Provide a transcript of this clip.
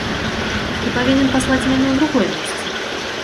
Ты павінен паслаць мяне ў другое месца.